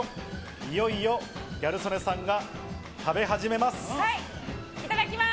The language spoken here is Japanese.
いよいよギャル曽根さんが食べ始いただきます。